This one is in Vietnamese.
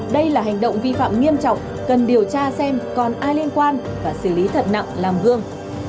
đây là hành động vi phạm nghiêm trọng cần điều tra xem còn ai liên quan và xử lý thật nặng làm gương